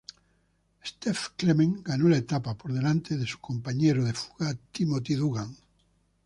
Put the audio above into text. Stef Clement ganó la etapa por delante de su compañero de fuga Timothy Duggan.